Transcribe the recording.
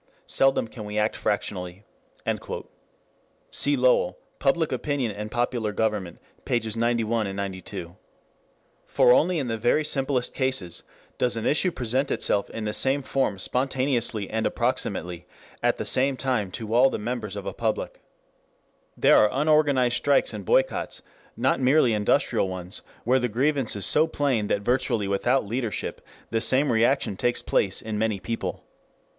Seldom can we act fractionally." Cf. Lowell, Public Opinion and Popular Government, pp. 91, 92.] For only in the very simplest cases does an issue present itself in the same form spontaneously and approximately at the same time to all the members of a public. There are unorganized strikes and boycotts, not merely industrial ones, where the grievance is so plain that virtually without leadership the same reaction takes place in many people.